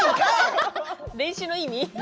練習の意味。